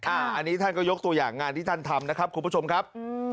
อันนี้ท่านก็ยกตัวอย่างงานที่ท่านทำนะครับคุณผู้ชมครับ